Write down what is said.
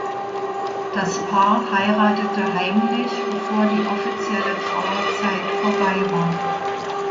Das Paar heiratete heimlich, bevor die offizielle Trauerzeit vorbei war.